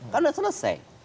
kan sudah selesai